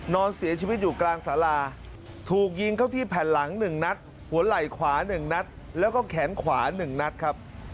นอนเสียชีวิตอยู่กลางสาราถูกยิงเข้าที่แผ่นหลัง๑นัดหัวไหล่ขวา๑นัดแล้วก็แขนขวา๑นัดครับ